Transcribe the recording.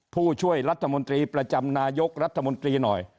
ผู้ช่วยรัฐมนตรีประจำนายกรัฐมนตรีหน่อย